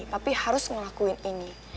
papi harus ngelakuin ini